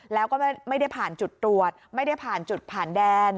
แล้วก็ไม่ได้ผ่านจุดตรวจไม่ได้ผ่านจุดผ่านแดน